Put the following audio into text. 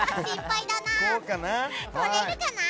撮れるかな？